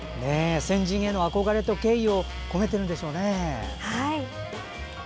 先人への憧れと敬意を込めてるんでしょうね。